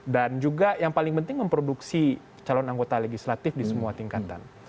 dan juga yang paling penting memproduksi calon anggota legislatif di semua tingkatan